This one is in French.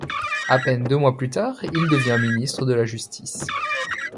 À peine deux mois plus tard, il devient ministre de la Justice.